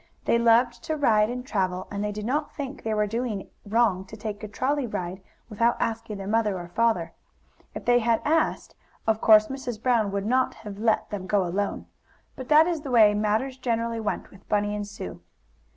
They loved to ride and travel, and they did not think they were doing wrong to take a trolley ride without asking their mother or father. If they had asked, of course, Mrs. Brown would not have let them go alone. But that is the way matters generally went with Bunny and Sue.